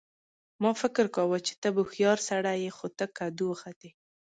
ما فکر کاوه چې ته به هوښیار سړی یې خو ته کدو وختې